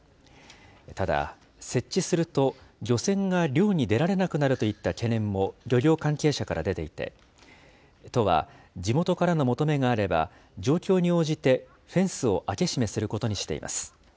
ただ、設置すると漁船が漁に出られなくなるといった懸念も、漁業関係者から出ていて、都は地元からの求めがあれば、状況に応じてフェンスを開け閉めすることにしています。